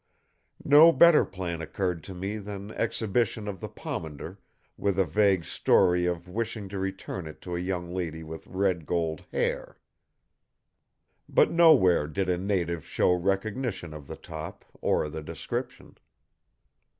No better plan occurred to me than exhibition of the pomander with a vague story of wishing to return it to a young lady with red gold hair. But nowhere did a native show recognition of the top or the description.